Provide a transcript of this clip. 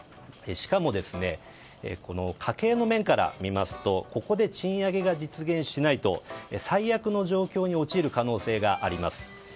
しかも家計の面から見ますとここで賃上げが実現しないと最悪の状況に陥る可能性があります。